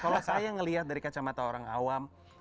kalau saya melihat dari kacamata orang awam